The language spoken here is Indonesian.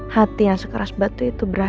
hati yang sekeras batu itu berat